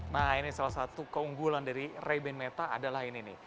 nah ini salah satu keunggulan dari ray bain meta adalah ini nih